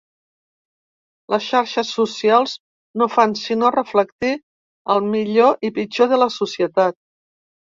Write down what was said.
Les xarxes socials no fan sinó reflectir el millor i pitjor de la societat.